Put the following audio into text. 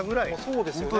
そうですよね。